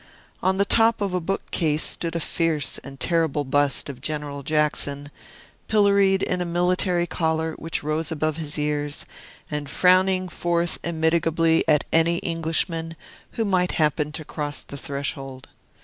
On the top of a bookcase stood a fierce and terrible bust of General Jackson, pilloried in a military collar which rose above his ears, and frowning forth immitigably at any Englishman who might happen to cross the threshold.